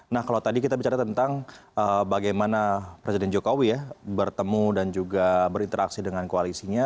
nah kalau tadi kita bicara tentang bagaimana presiden jokowi ya bertemu dan juga berinteraksi dengan koalisinya